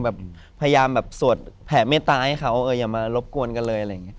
แบบพยายามแบบสวดแผ่เมตตาให้เขาอย่ามารบกวนกันเลยอะไรอย่างนี้